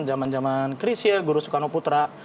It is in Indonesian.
zaman zaman chrisya guru sukarno putra